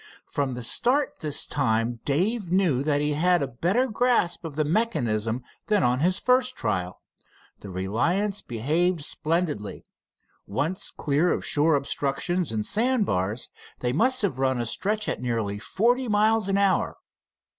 From the start this time Dave knew that he had a better grasp of the mechanism than on his first trial. The Reliance behaved splendidly. Once clear of shore obstructions and sandbars, they must have run a stretch at nearly forty miles an hour.